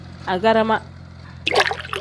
Agarama.